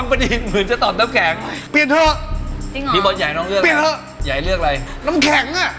น้ำมันค่ะ